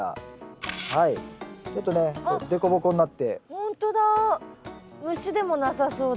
ほんとだ。